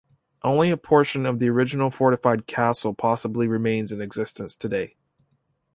Only a portion of the original fortified castle possibly remains in existence today.